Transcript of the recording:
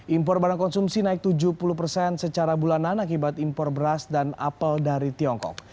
impor barang konsumsi naik tujuh puluh persen secara bulanan akibat impor beras dan apel dari tiongkok